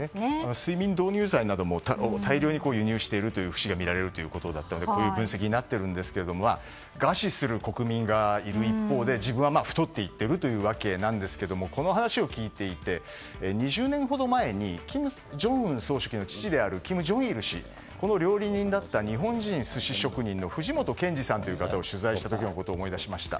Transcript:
睡眠導入剤なども大量に輸入している節がみられるということだったのでこういう分析になっているんですが餓死する国民がいる一方で自分は太っていっているというわけなんですけどこの話を聞いていて２０年ほど前に金正恩総書記の父である金正日氏の料理人であった日本人寿司職人の藤本健二さんという方を取材した時を思い出しました。